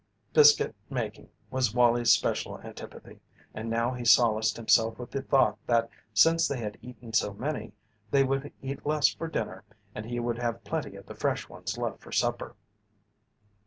Biscuit making was Wallie's special antipathy, and he now solaced himself with the thought that since they had eaten so many, they would eat less for dinner and he would have plenty of the fresh ones left for supper.